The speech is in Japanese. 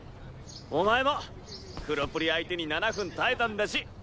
お前も黒プリ相手に７分耐えたんだし。